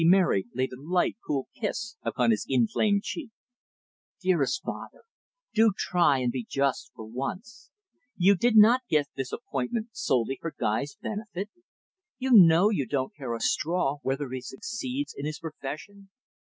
Lady Mary laid a light, cool kiss upon his inflamed cheek. "Dearest father, do try and be just for once. You did not get this appointment solely for Guy's benefit. You know you don't care a straw whether he succeeds in his profession.